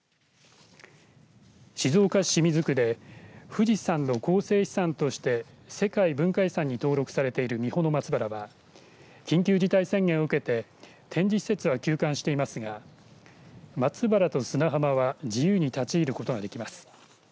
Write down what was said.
静岡市清水区で富士山の構成資産として世界文化遺産に登録されている三保松原は緊急事態宣言を受けて展示施設は休館していますが松原と砂浜は自由に立ち入ることができます。